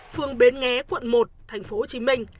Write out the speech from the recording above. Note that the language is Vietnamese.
phường bến nghé quận một tp hcm